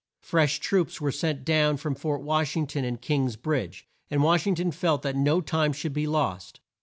Fresh troops were sent down from Fort Wash ing ton and King's Bridge, and Wash ing ton felt that no time should be lost.